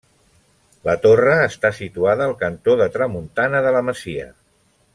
La torre està situada al cantó de tramuntana de la masia.